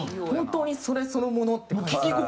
本当にそれそのものって感じ。